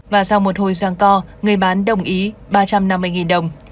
và sau một hồi giang co người bán đồng ý ba trăm năm mươi đồng